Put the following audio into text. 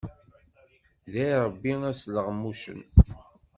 Deg yirebbi ad sleɣmucen.